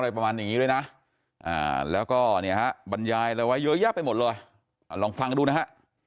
บรรยายอะไรไว้เยอะแยะไปหมดเลยอ่าลองฟังกันดูนะฮะ